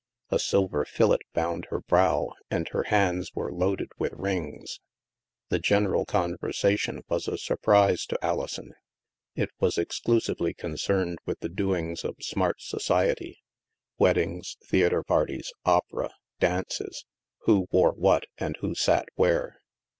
A silver fillet bound her brow, and her hands were loaded with rings. The general conversation was a surprise to Ali son. It was exclusively concerned with the doings of smart society: weddings, theatre parties, Opera, dances — who wore what and who sat where.